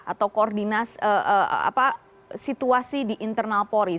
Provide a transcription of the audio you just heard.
atau koordinasi situasi di internal polri